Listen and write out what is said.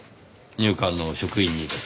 入管の職員にですか？